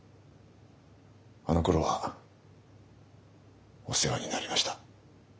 あのころはお世話になりました。